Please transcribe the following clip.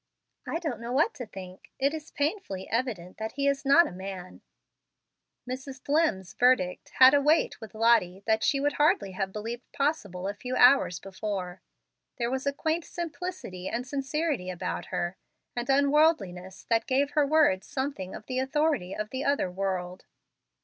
"I don't know what to think. It is painfully evident that he is not a man." Mrs. Dlimm's verdict had a weight with Lottie that she would hardly have believed possible a few hours before. There was a quaint simplicity and sincerity about her, an unworldliness, that gave her words something of the authority of the other world.